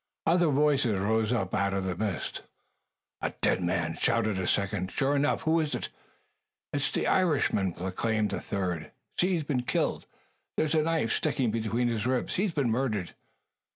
Other voices rose up out of the mist. "A dead man!" shouted a second. "Sure enough. Who is it?" "It's the Irishman!" proclaimed a third. "See! He's been killed! There's a knife sticking between his ribs! He's been murdered!"